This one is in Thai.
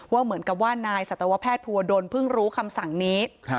เหมือนกับว่านายสัตวแพทย์ภูวดลเพิ่งรู้คำสั่งนี้